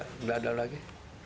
nggak ada lagi